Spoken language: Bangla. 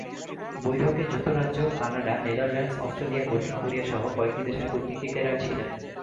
বৈঠকে যুক্তরাজ্য, কানাডা, নেদারল্যান্ডস, অস্ট্রেলিয়া, দক্ষিণ কোরিয়াসহ কয়েকটি দেশের কূটনীতিকেরা ছিলেন।